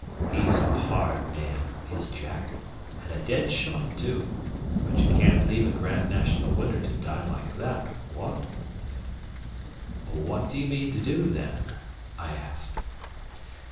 He's a hard nail, is Jack, and a dead shot, too, but you can't leave a Grand National winner to die like that what?" "What do you mean to do, then?" I asked.